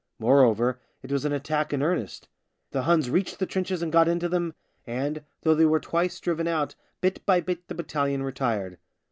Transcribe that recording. Moreover, it was an attack in earnest. The Huns reached the trenches and got into them, and, though they were twice 84 THE SIXTH DRUNK driven out, bit by bit the battalion retired.